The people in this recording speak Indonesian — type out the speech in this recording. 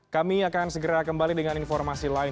kami akan segera kembali dengan informasi lain